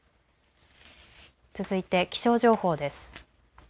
続いて気象情報です。